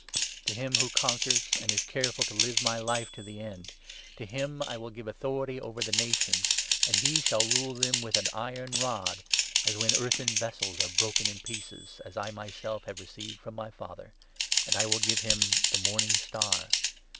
To him who 26 conquers and is careful to live my life to the end — to him I will give authority over the nations, and ' he shall rule them with an 27 iron rod, as when earthen vessels are broken in pieces ' (as I myself have received from my Father) and I will give him 28 the Morning Star.